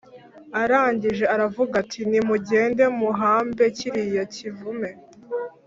Arangije aravuga ati nimugende muhambe kiriya kivume